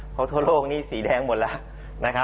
เพราะทั่วโลกนี่สีแดงหมดแล้ว